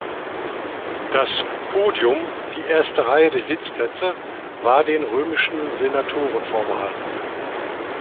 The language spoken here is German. Das "podium", die erste Reihe der Sitzplätze, war den römischen Senatoren vorbehalten.